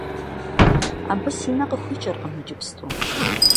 Абы си нэ къыхуикӀыркъым иджыпсту.